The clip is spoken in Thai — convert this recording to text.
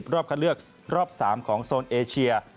รอบคัดเลือกรอบ๓ของโซนเอเชีย